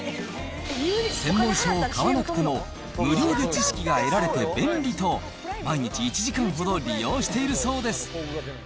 専門書を買わなくても無料で知識が得られて便利と、毎日１時間ほど利用しているそうです。